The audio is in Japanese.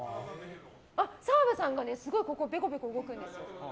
澤部さんがすごいここ、ぺこぺこ動くんですよ。